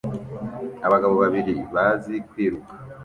Abagabo babiri bazi kwiruka